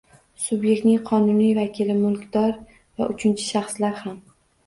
Subyektning qonuniy vakili, mulkdor va uchinchi shaxslar ham